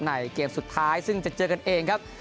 เกมสุดท้ายซึ่งจะเจอกันเองครับ